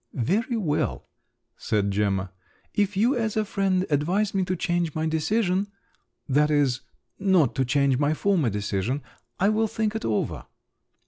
"Very well," said Gemma. "If you, as a friend, advise me to change my decision—that is, not to change my former decision—I will think it over."